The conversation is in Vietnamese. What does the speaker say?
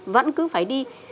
vẫn cứ phải đi